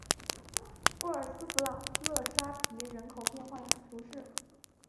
布尔斯弗朗勒沙皮人口变化图示